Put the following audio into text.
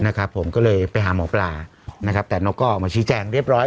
นะครับผมก็เลยไปหาหมอปลานะครับแต่นกก็ออกมาชี้แจงเรียบร้อย